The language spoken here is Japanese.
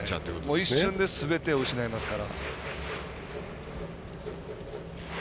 一瞬ですべてを失いますから。